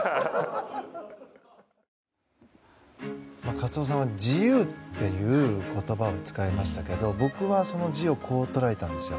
カツオさんは自由という言葉を使いましたけど僕はその自由をこう捉えたんですよ。